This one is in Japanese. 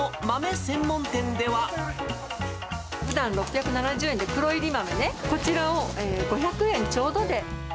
ふだん、６７０円で黒いり豆ね、こちらを５００円ちょうどで。